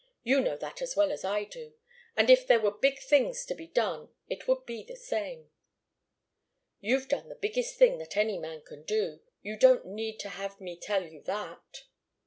You know that as well as I do. And if there were big things to be done, it would be the same." "You've done the biggest thing that any man can do. You don't need to have me tell you that."